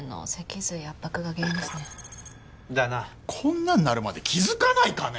こんなになるまで気づかないかね？